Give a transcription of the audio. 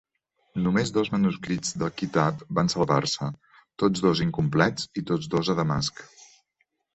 Només dos manuscrits del "Kitab" van salvar-se, tots dos incomplets, i tots dos a Damasc.